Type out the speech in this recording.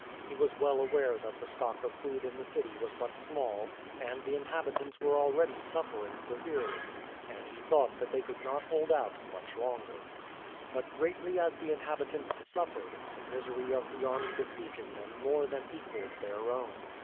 He was well aware that the stock of food in the city was but small and the inhabitants were already suffering severely, and he thought that they could not hold out much longer. But greatly as the inhabitants suffered, the misery of the army besieging them more than equalled their own.